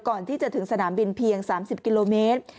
ก่อนที่จะถึงสนามบินเพียง๓๐กิโลเมตร